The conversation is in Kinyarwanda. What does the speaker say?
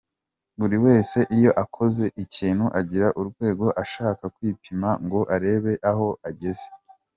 Buri wese iyo akoze ikintu agira urwego ashaka kwipima ngo arebe aho ageze.